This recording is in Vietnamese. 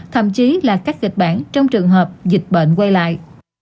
thậm chí là các kịch bản trong trường hợp dịch bệnh quay lại